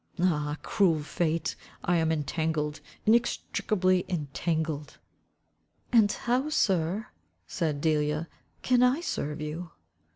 Ah, cruel fate, I am entangled, inextricably entangled." "And how, sir," said Delia, "can I serve you?"